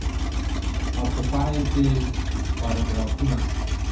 او په پای کي پاراګرافونه.